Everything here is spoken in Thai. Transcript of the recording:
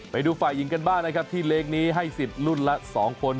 ไปดูฝ่ายหญิงกันบ้างนะครับที่เลขนี้ให้สิทธิ์รุ่นละ๒คน